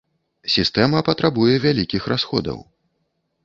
Сістэма патрабуе вялікіх расходаў.